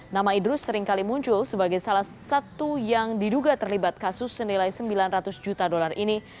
nama idrus seringkali muncul sebagai salah satu yang diduga terlibat kasus senilai sembilan ratus juta dolar ini